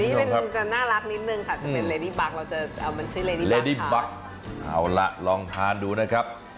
ตัวนี้น่ารักนิดนึงครับ